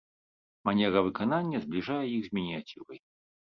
Манера выканання збліжае іх з мініяцюрай.